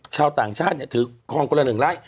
ชาวต่างชาติถือคลองคนละ๑ไร่